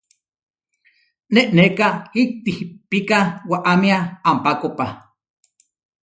Nenéka ihtipíka waʼámia ampákopa.